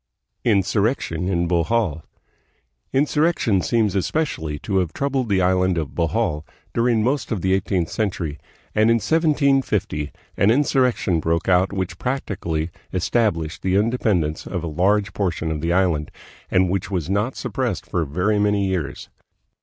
Insurrection in BoJiol. Insurrection seems especially to have troubled the island of Bohol during most of the eighteenth century, and in 1750 an insurrection broke out which practically established the independence of a large portion of the island, and which was not suppressed for very many years.